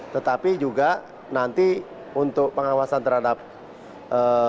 tetapi juga nanti untuk pengawasan terhadap pilot awak ini juga akan kita tambahkan pada mereka